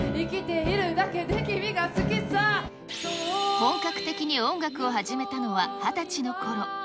本格的に音楽を始めたのは２０歳のころ。